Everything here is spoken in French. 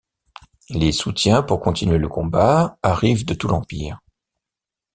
Les soutiens pour continuer le combat arrivent de tout l'Empire.